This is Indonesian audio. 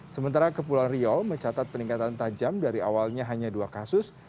sementara kepulauan riau mencatat peningkatan tajam dari awalnya hanya dua kasus